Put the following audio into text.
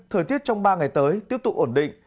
thời tiết trong ba ngày tới tiếp tục ổn định